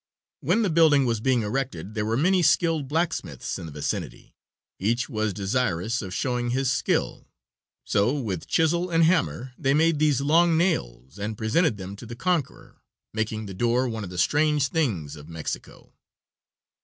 When the building was being erected there were many skilled blacksmiths in the vicinity. Each was desirous of showing his skill, so with chisel and hammer they made these long nails and presented them to the conqueror, making the door one of the strange things of Mexico.